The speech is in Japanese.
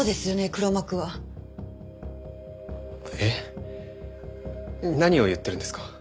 黒幕は。えっ？何を言ってるんですか？